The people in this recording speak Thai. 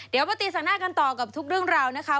เดี๋ยวมาตีแสงหน้ากันต่อกับทุกเรื่องราวนะคะ